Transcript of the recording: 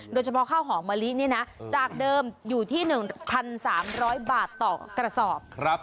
โดยเฉพาะข้าวหอมมะลินี่นะจากเดิมอยู่ที่๑๓๐๐บาทต่อกระสอบ